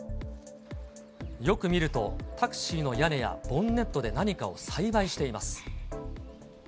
よく見ると、タクシーの屋根やボンネットで何かを栽培しています。